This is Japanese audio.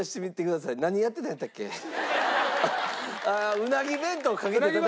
うなぎ弁当をかけて戦ってた。